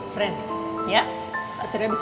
friend ya pak surya bisa